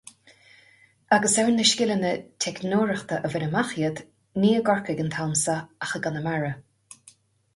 Agus ar na scileanna teicneoireachta a bhain amach iad, ní i gCorcaigh an t-am seo, ach i gConamara.